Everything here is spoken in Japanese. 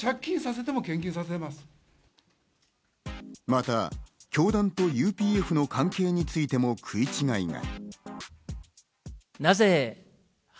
また教団とＵＰＦの関係についても食い違いが。